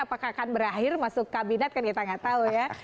apakah akan berakhir masuk kabinet kan kita nggak tahu ya